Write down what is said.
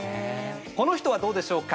この人はどうでしょうか？